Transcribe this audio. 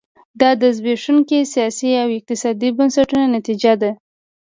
دا د زبېښونکو سیاسي او اقتصادي بنسټونو نتیجه ده.